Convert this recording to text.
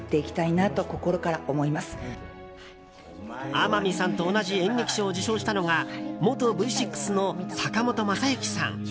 天海さんと同じ演劇賞を受賞したのが元Ｖ６の坂本昌行さん。